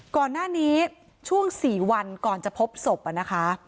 ก่อนหน้านี้ช่วง๔วันก่อนจะพบศพนะคะ